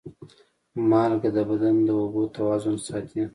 مالګه د بدن د اوبو توازن ساتي.